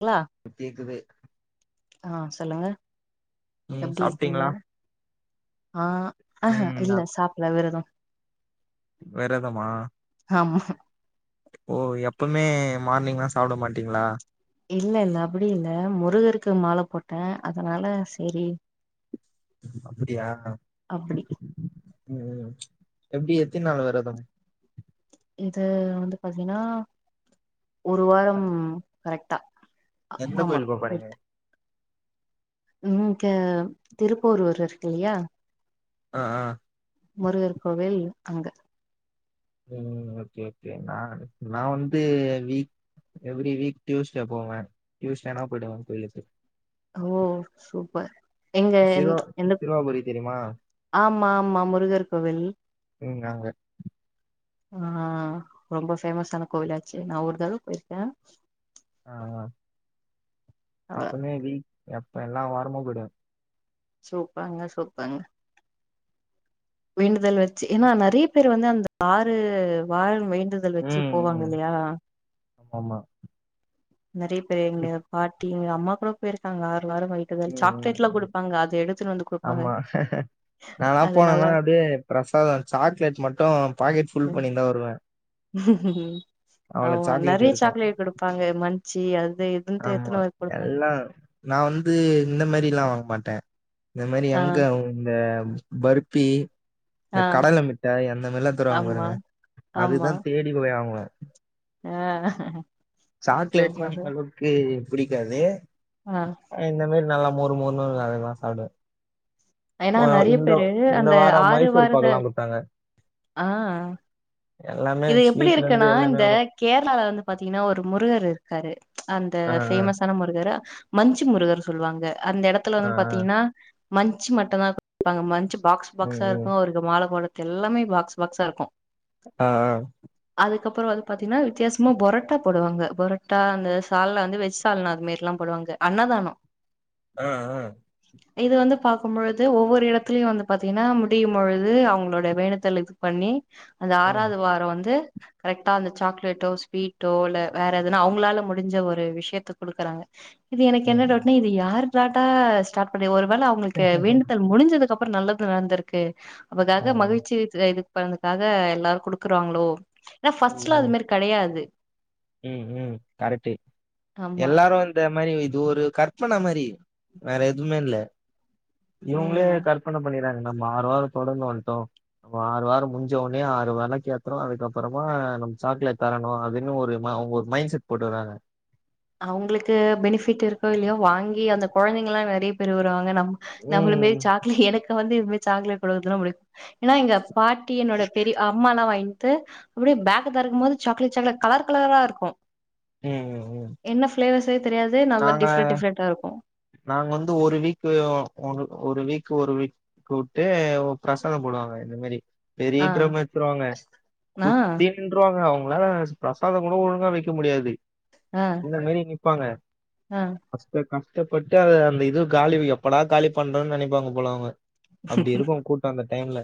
ல கேக்குது ஆ சொல்லுங்க ம் எப்டி இருக்கீங்க சாப்ட்டீங்களா ஆ ஆ ம் நா இல்ல சாப்ல விரதம் வேற என்னம்மா ஆமா ஓ எப்பமே மார்னிங்லா சாப்ட மாட்டிங்களா இல்ல இல்ல அப்டி இல்ல முருகருக்கு மால போட்டே அதனால சரி அப்டியா அப்டி ம் எப்டி எத்தின் நாள் வெரதம் இது வந்து பாத்தீன்னா ஒரு வாரம் கரெக்டா எந்த ஆமா கோயில் போ போறீங்க இங்க திருப்பேருர் இருக்கு இல்லயா ஆ ஆ முருகர் கோவில் அங்க ம் ஓகே ஓகே நா நா வந்து வீ எவ்ரி வீக் டியூஸ்டே போவே டியூஸ்டே நா போயிடுவே கோயிலுக்கு ஓ சூப்பர் எங்க சிறுவா எந்த சிறுவாபுரி தெரியுமா ஆமா ஆமா முருகர் கோவில் ம் அங்க ஆ ரொம்ப பேமஸான கோவிலாச்சே நான் ஒரு தரவ போயிர்க்கேன் ஆ அ எப்பமே வீக் எப்ப எல்லாம் வரமும் போயிடுவே சூப்பாங்க சூப்பாங்க வேண்டுதல் வச்சு ஏனா நறைய பேர் வந்து அந்த ஆறு வார வேண்டுதல் வச்சு போவாங்க இல்லயா ஆமா நறைய பேரு எங்க பாட்டி எங்க அம்மா கூட போயிருக்காங்க ஆறு வாரம் வர ம் ம் சாக்லேட்லாம் ம் குடுப்பாங்க அத எடுத்துனு வந்து குடுப்பாங்க ஆமா நான்லா அது போனேன்னா நல்லா அப்டியே பிரசாதம் சாக்லேட் மட்டும் பாக்கெட் புல் பண்ணின்தா வருவேன் ம் ஆமா நறைய இருக்கு சாக்லேட் குடுப்பாங்க மன்சு அது இதுன்ட்டு ஆமா எத்தன வர குடுப்பாங்க எல்லாம் நான் வந்து இந்த மாரில்லாம் வாங்க மாட்டேன் இந்த மாரி ஆ அங்க இந்த பருப்பி இந்த ஆ கடல மிட்டாயி அந்த மார்லாம் தருவாங்க ஆமா பாருங்க ஆமா அதுதான் தேடி வங்குவே ஆ சாக்லேட்னா சூப்பர் க்கு பிடிக்காது ஆ இந்த மாரி நல்லா முரு முருணு அதுல்லாம் சாப்டுவே ஏனா போ நெறைய இந்த பேரு இந்த அந்த வாரோ ஆறு மைசூர் வாரத பாக்கெல்லா குடுத்தாங்க ஆ எல்லாமே இது எப்டி ஸ்வீட்ல இருந்து இருக்குனா எல்லாமே இந்த வரு கேரளால வந்து பாத்தீங்கன்னா ஒரு முருகர் இருக்காரு அந்த ஆ ஃபேமஸ்சான முருகரு மஞ்சு முருகர் சொல்லுவாங்க அந்த எடத்துலா ஆ ஆ வந்து ஆ பாத்தீங்கன்னா மஞ்சு மட்டுதாப் குடுப் பாங்க மஞ்சு பாக்ஸ் ம் பாக்ஸா ம் ருக்கு அவருக்கு மாலை போடத்து எல்லாமே பாக்ஸ் பாக்ஸா இருக்கு ஆ அதுக்கப்பறோ வந்து பாத்தீங்கன்னா வித்தியாசமா பொரோட்டா போடுவாங்க பொரோட்டா அந்த சால்னா வந்து வெஜ் சால்ன்ன அது மேரிலா போடுவாங்க அன்ன தானோ அ அ இது வந்து பாக்கும் பொழுது ஒவ்வொரு எடத்துலயு வந்து பாத்தீங்கன்னா முடியு பொழுது அவுங்களோடைய வேண்டுதல் இது பண்ணி அந்த ம் ஆறாவது வாரோ வந்து கரெக்டா அந்த சாக்லேட்டோ ஸ்வீட்டோ இல்ல வேற எதுனா அவுங்களால முடிஞ்ச ஒரு விஷயத்த குடுக்குறாங்க இது எனக்கு என்ன ம் டவுட்னா இது யார்ரு ட்டா ஸ்டார்ட் பண்ணி ஒருவேள அவ் அவுங்களுக்கு வேண்டுதல் முடிஞ்சதுக்கு அப்பறோ நல்லது நடந்திருக்கு அதுக்காக மகிழ்ச்சி தே இது பகிர்துக்காக எல்லாரு குடுக்குறாங்களோ ஏனா ஃபஸ்ட்டுலா அது மாரி கெடையாது ம் ம் கரெக்ட்டு ஆமா எல்லாரு வந் த மாரி இது ஒரு கற்பன மாரி வேற எதுமே இல்ல இவுங்களே ம் கற்பன பண்ணிறாங்க நம்ம ஆறுவாரோ தொடர்ந்து வந்ட்டோ ஒரு ஆறு வாரோ முஞ்ச ஒனே ஆறு வெளக் ஏத்றோ அதுக்கப்பறமா நம்ம சாக்லேட் தரணு அதுன்னு ஒரு ன அவுங்க ஒரு மைண்ட் செட் போட்டு வறாங்க அவுங்களுக்கு பெனிஃபிட் இருக்கோ இல்லையோ வாங்கி அந்த கொழந்தைங்கல்லா நெறைய பேரு வருவாங்க நம் நம்மள ம் மேரி சாக்லேட் எனக்கு வந்து இதுவு சாக்லேட் குடுக்குறதுல்லா புடிக்கு ஏனா இங்க பாட்டி என்னோட பெரிய ஆ அம்மானா வாங்கிட்டு அப்டியே பேக் தெறக்குபோது சாக்லேட் சாக்லேட் கலர் கலராரா இருக்கு ம் ம் என்ன ஃப்ளேவர்ஸே தெரியாது நல்ல நாங்க டிஃப்ரெண்ட் டிஃப்ரெண்டா ருக்கு நாங்க வந்து ஒரு வீக்கு ஒரு ஒரு வீக் ஒரு வீக் கூப்ட்டு ஏ பிரசாதோ போடுவாங்க இந்த மாரி பெரிய ஆ டிரம் வச்சிருவாங்க ஆ சுத்தின் நின்றுவாங்க அவுங்களால பிரசாத கூட ஒழுங்கா வைக்க முடியாது ஆ ஒவ்வொரு மாரி நிப்பாங்க ஆ [inaudible] கஷ்டப்பட்டு அத அந்த இது காலி எப்படா காலி பண்றோ‌ன்னு நெனைப்பாங்க போல அவங்க அப்டிருக்கு அவுங்க கூட் இப்ப அந்த டைம்ல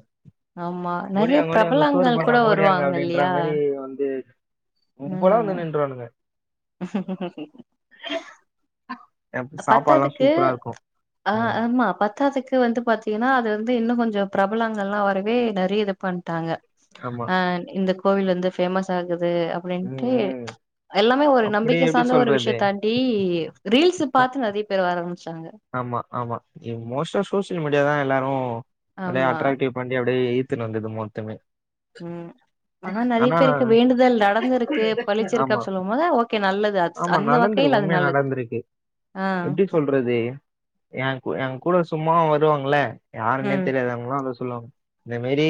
ஆமா நெறைய ஓடியாங்க ஓடியாங்க சோறு பிரபலங்கள் கூட போட்றாங்க ஓடியாங்க வருவாங்க அப்டின்ற இல்லையா மாரி வந்து கும்பலா வந்து நின்றுவானுங்க சப்போட்டா பழம் சாப்பாடுல்லா பத்தாததுக்கு சூப்பரா இருக்கு ஆ ம் ஆமா பத்தாதுக்கு வந்து பாத்தீங்கன்னா அது வந்து இன்னு கொஞ்ச பிரபலங்கள்லா வரவே நெறைய இது பண்ட்டாங்க ஆமா ஆ இந்த கோவில் வந்து ஃபேமஸ் ஆகுது ம் அப்டின்ட்டு ம் எல்லாமே ஒரு அப்டி நம்பிக்கை எப்டி சார்ந்த ஒரு சொல்றது விஷயத் தாண்டி ரீல்ஸு பாத்து நெறைய பேர் ஆரம்பிச்சாங்க ஆமா ஆமா ஏ மோஸ்ட்டா சோசியல் மீடியா தா எல்லாரு நெறைய ஆமா அட்ராக்டிவ் வண்டி அப்டியே ஈத்துன்னு வந்து மொத்தமே ம் ஆனா நெறைய பேருக்கு வேண்டுதல் நடந்திருக்கு பழிச்சிருக்கு ஆமா. அப்டி சொல்லு போது ஓகே நல்லது ராக்ஸ் ஆமா அந்த நடந்திருக்கு. வகையில அது உண்மையா நல்லது நடந்திருக்கு. ஆ எப்படி சொல்றது ஏங் ஏங்கூட சும்மா வருவாங்கள யாருன்னே ம் தெரியாது எங்ளான்ட சொல்லுவாங்க இந்த மேரி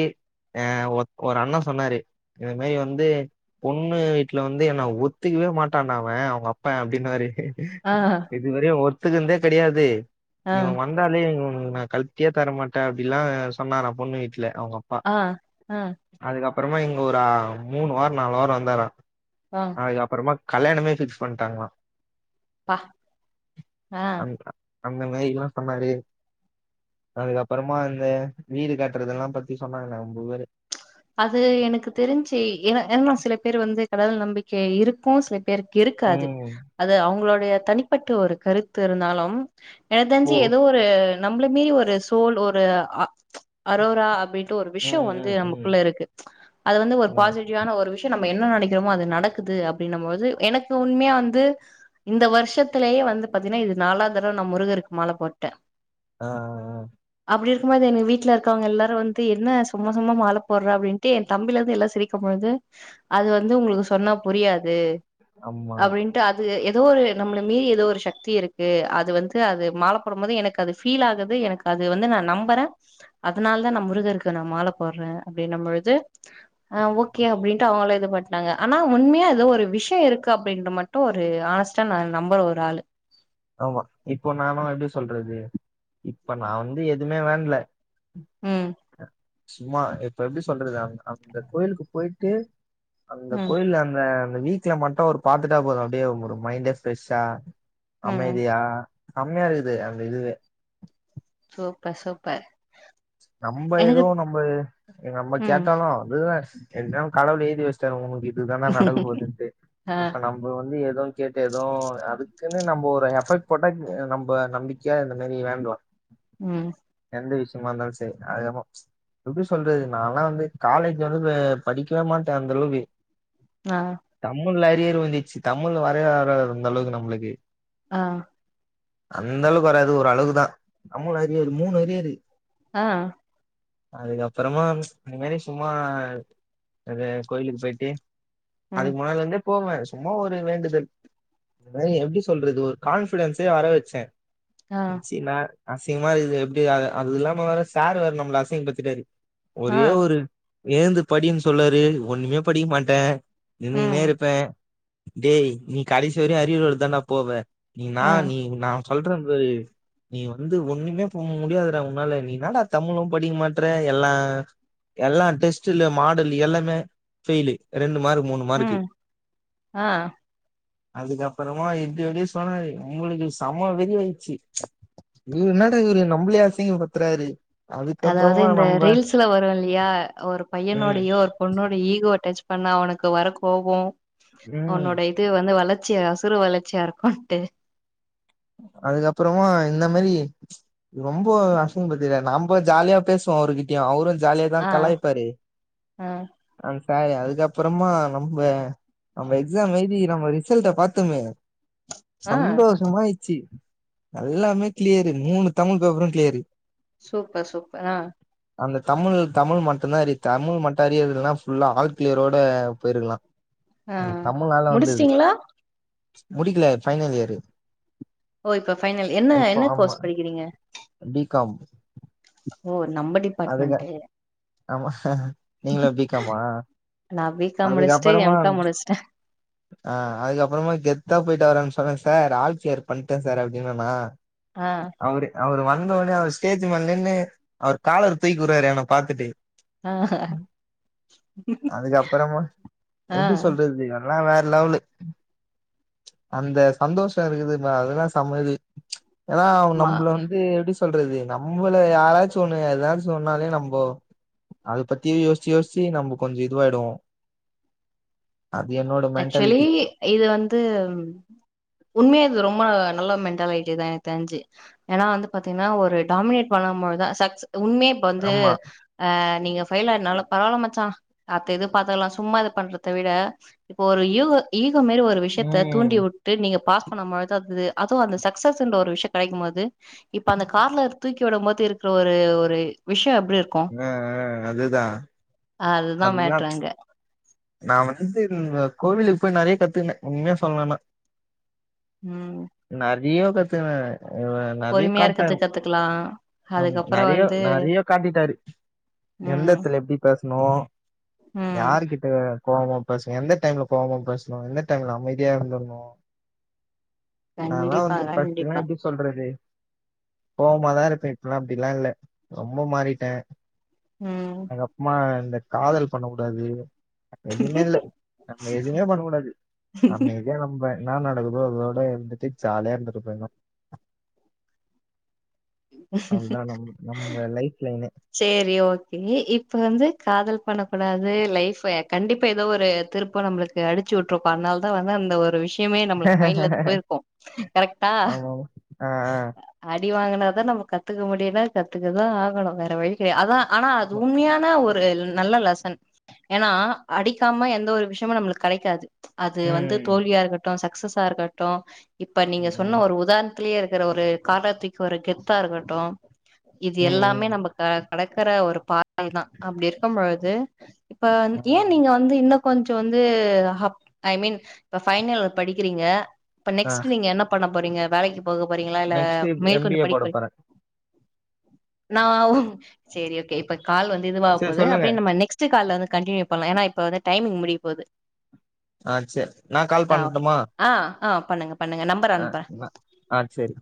ஆ ஒ ஒரு அண்ண சொன்னாரு இந்த மாரி வந்து பொண்ணு வீட்ல வந்து என்ன ஒத்துக்கவே மாட் விட்டானா அவ அவுங்க அப்ப அப்டின்னுவாரு ஆ இதுவரியு ஒத்துக்குனதே கெடையாது ஆ ஆ இவ வந்தாலே இவனுக்கு நா கலத்தியே தரமாட்டே அப்டில்லா சொன்னாரா பொண்ணு வீட்ல அவுங்க ஆஆ அதுக்கப்புறமா இங்க ஒரு ஆ மூணு வார நாலு வார வந்தாரா ஆ அதுக்கப்புறமா கல்யாணமே ஃபிக்ஸ் பண்ணிட்டாங்களா பா ஆ ஆம் அந்த மேரில்லா சொன்னாரு அதுக்கப்புறமா இந்த வீடு கட்டுறது எல்லா பத்தி சொன்னாங்க ரொம்ப பேரு அது எனக்கு தெரிஞ்சு ஏன்னா இன்னு சில பேர் வந்து கடவுள் நம்பிக்கை இருக்கு சில எனக் இருக்காது ம் அது அவுங்ளுடைய தனிப்பட்ட ஒரு கருத்து இருந்தாலு எனக் இப்போ தெரிஞ்சி ஏதோ ஒரு நம்மள மீறி ஒரு சோல் ஒரு அ அரோரா அப்டின்னு டோ ஒரு விஷ்யோ ம் வந்து ம் ம் நமக்குள்ள இருக்கு அது வந்து ஒரு ம் பாசிட் ரிவான ஒரு விஷய நம்ம என்ன நெனைக்கிறோமோ அது நடக்குது அப்டின்னு போது எனக்கு உண்மையா வந்து இந்த வர்ஷத்திலேயே வந்து பாத்தீனா இது நாலா தடவ நா முருகருக்கு மால போட்ட ஆ ஆ அப்டி இருக்கும்போது எங்க வீட்டுல இருக்கவங்க எல்லாரு வந்து என்ன சும்மா சும்மா மால போட்றா அப்டின்ட்டு என் தம்பில போறா அப்டின்ட்டு எ தம்பில இருந்து எல்லா சிரிக்கு பொழுது அது வந்து உங்களுக்கு சொன்னா புரியாது ஆமா அப்டின் ட்டு அது ஏதோ ஒரு நம்ம மீறி ஏதோ ஒரு சக்தி இருக்கு அது வந்து அது மால போடும்போது எனக்கு அது ஃபீல் ஆகுது எனக்கு அது வந்து நா நம்பற அதனால தா நா முருகருக்கு நா மால போட்ற அப்டின்னம் பொழுது ஆ ஓகே அப்டின் ட்டா அவுங்கள இது பண்ட்டாங்க ஆனா உண்மையா ஏதோ ஒரு விஷ்யோ இருக்கு அப்டின்ற மட்டு ஒரு ஆஸ்டா நம்புற ஒரு ஆள் ஆமா இப்போ நானு எப்டி சொல்றது இப்ப நா வந்து எதுவுமே வேண்ட்ல ம் க சும்மா இப்ப எப்டி சொல்றது அங்க அந்த கோயிலுக்கு பொயிட்டு அந்த ம் கோயில்ல அந்த அந்த வீக்ல மட்டு அவரு பாத்துட்டா போது அப்டியே ஒரு மைண்டே ப்ரெஷ்ஷா ம் அமைதியா செம்மயாருக்குது அந்த இதுவே சூப்பர் சூப்பர் நம்ம எனக்கு எதுவு நம்ப ஆ நம்ம ம் கேட்டாலு அதுதா எல்லாம் கடவுள் [unintelligible] ஏய்தி வச்சிட்டார் இதுதா நடக்க போதுன்ட்டு ஆ இப்ப நம் இப்போ வந்து எதோ கேட்டு எது அதுக்குனு நம்ம ஒரு எஃபெக்ட் போட்டா நம்ம நம்க்கையா இந்த மாரி வேண்ட்ரோ [inaudible] ம் எந்த விஷயமாருந்தாலு செரி அதுக்கப்போ எப்டி சொல்றது நாலா வந்து காலேஜ் வந்து படிக்கவே மாட்டே அந்த அளவுக்கு ஆ தமிழ்ல அரியர் வந்திச்சு தமிழ் வரவே வராது இந்த அளவுக்கு நம்மளுக்கு ஆ அந்த அளவுக்கு வராது ஒரு அளவு தா நம்மளு அரியரு மூணு அரியரு ஆ அதுக்கப்பறமா இந்த மாரி சும்மா அது கோயிலுக்கு போயிட்டு ம் அதுக்கு முன்னாடிலருந்தே போவே சும்மா ஒரு வேண்டுதல் தா எப்டி சொல்றது ஒரு கான்ஃபிடன்ஸே வர வச்சே ஆ ச்சி நா அசிங்கமாருக்குது எப்டி அது அது இல்லாம வேற சார் வேற நம்மள அசிங்க படுத்திட்டாரு ஆ ஒரே ஒரு ஏந்து படினு சொல்லாரு ஒண்ணுமே படிக்க மாட்டே நின்னுக்குனே ம் இருப்பே டேய் நீ கடைசி வரைக்கு அரியர்றோட தான்டா போவ நீ நா ஆ நீ நா சொல்றபரு நீ வந்து ஒன்னுமே போ முடியாதுடா உன்னால நீ நீ என்னடா தம்முழு படிக்க மாட்ற எல்லா எல்லா டெஸ்ட்டுல மாடல் எல்லாமே ஃபெய்லு ரெண்டு மார்க் மூணு மார்க்கு ம் ஆ அதுக்கப்புறமா இப்டி எப்டி சொன்னாரு உங்களுக்கு செம வெறி ஆயிச்சு இ என்னடா இவ்ரு நம்ப்ளே அசிங்க பத்துறாரு அதாவ்து இந்த ரீல்ஸ்ல வருல்யா ஒரு ம் பையனோடையோர் உன்னோட ஈகோ டச் பண்ணா அவனுக்கு வர கோபோ ம் அவ்னோடை து வந்து வளச்சிய அசுற வளச்சியா இருக்குன்ட்டு அதுக்கப்புறமா இந்த மரி ரொம்போ அசிங்க பத்திடார் நம்ப ஜால்யா பேஸ்வோ அவுருர்கிட்யு அவுரு ஜால்யா தா ஆ கலாய்பாரு ஆ அந் சாரு அதுக்கப்புறமா நம்ப அம்ம எக்ஸாம் எழுதி நம்ம ரிசல்ட்ட பாத்துமே ஆ சந்தோஷமாயிச்சி எல்லாமே க்ளியரு மூணு தமிழ் பேப்பரு க்ளியரு சூப்பர் சூப் அ அந்த தமிழ் தமிழ் மட்டும்ந்தா அரி தமிழ் மட்டு அரியர்ல்னா ஃபுல்லா ஆல்க்ளியரோட போய்ருக்லா ஆ அது தமுழ்னால வந்தது முடிச்சிட்டீங்களா முடிக்கில ஃபைனல் இயரு ஒ இப்ப ஃபைனல் என்ன என்ன கோஸ் படிக்கிறீங்க பி காம் ஓ நம்ம டிப்பாட்மண்ட்டு ஆமா நீங்ளு பி காமா நா பீ காம் முடிச்சுட்டு எம் கா முடிச்ட்ட அ அதுக்கப்புறமா கெத்தா போயிட்டு அவரான்ட சொன்ன சார் ஆல் க்ளியர் பண்ட்ட சார் அப்டின்னனா அ அவுரு அவுரு வந்தோனே அவுரு ஸ்டேஜ் மேல் நின்னு அவர் காலர் தூக்கி உட்றாரு என்ன பாத்துட்டு ஆ அதுக்கப்பறமா ஆ எப்டி சொல்றது எல்லா வேற் லெவ்லு அந்த சந்தோஷ இருக்குதும அதுதா செம்ம இது ஏனா ஆமா நம்புள வந்து எப்டி சொல்றது நம்பல யாராச்சு ஒன்னு எதாவ்து சொன்னாலே நம்போ அத பத்தியே யோஸ்ச்சு யோஸ்ச்சி நம்பு கொஞ்ச இதுவாய்டுவோ அது என்னோட மென்டாலிட்டி ஆக்சுவலி இது வந்து உண்மையா இது ரொம்ப நல்ல நல்லா மென்டாலாயிட்டேதா எனக்கு தெர்ஞ்சு ஏனா வந்து பாத்தீங்ன்னா ஒரு டாமினேட் பண்ணமொழுதா சக்ஸ் உண்மே இப்ப வந்து ஆமா அ நீங்க ஃபைல் ஆயிட்னால பரவல்லா மச்சா அத்த இது பாத்துக்லா சும்மா இது பண்றத்த விட இப்போ ஒரு யூக ஈகோ மேரி ஒரு விஷ்யத்த ம் தூண்டிவுட் டு நீங்க பாஸ் பண்ண மாழ்தா அத்துது அது அந்த ச்க்சஸ்ன்ற ஒரு விஷ்ய கடைக்குமோது இப்ப அந்த கார்லர் தூக்கி கி உட மோது இருக்குற ஒரு ஒரு விஷ்யோ எப்டி இருக் அ அ அதுதா அதுதா மேட்ரு அங்க நா வந்துத்து இல்வ கோவிலுக் போய் நறைய கத்துக்ன உண்ம்ய சொல்னுன்னா ம் நிறயோ கத்தக்குன இவ நெறிய பொறுமையா இருக்கறது காட்ட்டாரு கத்துக்கலா ஆம்மா அதுக்கப்புற நறியோ வந்து நறியோ காட்டிட்டாரு எந்த ம் எடத்துல எப்டி பேசணு ம் யாரு கிட் ட கோவமா பேசணு எந்த டைம்ல கோவமா பேசணு எந்த டைம்ல அமைதியா இருந்தரணு அதெல்லா கண்டிப்பா வந்து படுத்தன்னா கண்டிப்பா எப்டி சொல்றது கோவமாதா இருப்பே இப்பல்லா அப்டில்லா இல்ல ரொம்ப மாறிட்டே ம் அதக்கப்பமா இந்த காதல் பண்ண கூடாது எதுமே இல்ல நம்ம எதுமே பண்ண கூடாது அமை தியா நம்ப ன்னா நடக்குதோ அதோட இருந்துட்டு ஜாலியா இருந்துட்டு போயிர்ணு அவ்ள்தா நம்ளுக்கு நம்ப லைஃப் லைனே சேரி ஓக்கே இப்ப வந்து காதல் பண்ண கூடாது லைஃப்பு கண்டிப்பா ஏதோ ஒரு திருப்போ நம்ளு க்கு அடிச்சி வுட்ருக்கு அதனால தா வந்து அந்த ஒரு விஷ் இப்பையுமே நம்மளுக்கு மைண்ட்ல இருந்து போயிருக்கு கரெக்டா ஆமா ஆமா ஆ ஆ அடி வாங்குனாதா நம்ம கத்துக்க முடியுனா கத்துக்கதா ஆகணு வேற வழி கெடையா அதா ஆனா அது ஆமா. உண்மயா ன ஒரு நல்ல லெசன் ஏன்னா அடிக்காம எந்த ஒரு விஷயமும் நம்மளுக்கு கெடைக்காது அது வந்து ம் தோல்வியா இருக்கட்டும் சக்சஸா இருக்கட்டும் இப்ப நீங்க சொன்ன ம் ஒரு உதாணத் துலயே இருக்கற ஒரு காலர தூக்கி வர கெத்தா இருக்கட்டும் இது ம் ம் எல்லாமே ம். நமக் க கடக்கற ஒரு பாதை தா அப்டி இருக்கு பொழுது இப்ப ஏ நீங்க வந்து இன்னு கொஞ்சோ வந்து அப் ஐ மீன் இப்ப பைனல் படிக்கிறீங்க இப்ப ஆ ஆ நெக்ஸ்ட் நீங்க என்ன பண்ண போறீங்க வேலைக்கி போக போறீங்ளா இல்ல நெக்ஸ்ட் மேற்கொண்டு எம்பிஏ படிக்க போட போறீங் போறேன் நா ஓ சேரி ஓக்கே இப்ப கால் வந்து இதுவா சரி போது சொல்லுங்க அப்டியே நம்ம நெக்ஸ்ட் டு கால்ல வந்து கண்டினியூ பண்லா ஏன்னா இப்ப வந்து டைமிங் முடிய போது ஆ சேர் நா கால் ஆ ஓகே பண்ணட்டுமா ஆ ஆ பண்ணுங்க பண்ணுங்க நம் அ நா ஆ சேரி